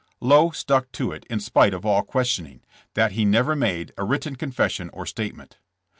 Lowe stuck to it in spite of all questioning, that he never made a written confession or statement.